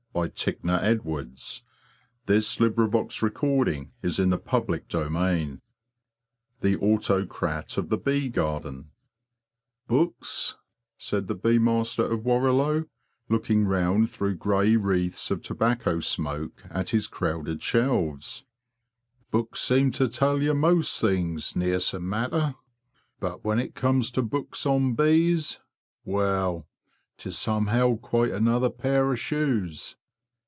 But the bee master will get no more honey. CHAPTER XXVII THE AUTOCRAT OF THE BEE GARDEN "Books," said the Bee Master of Warrilow, looking round through grey wreaths of tobacco smoke at his crowded shelves, '' books seem to tell ye most things ne'ersome matter; but when it comes to books on bees—well, 'tis somehow quite another pair o' shoes."